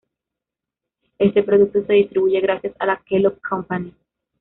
Este producto se distribuye gracias a la Kellogg Company.